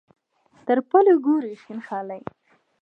تر پلو ګوري شین خالۍ.